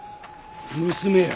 娘や。